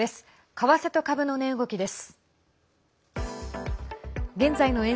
為替と株の値動きです。